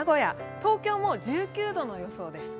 東京も１９度の予想です。